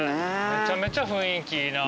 めちゃめちゃ雰囲気いいな。